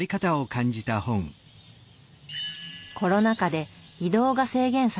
コロナ禍で移動が制限される昨今。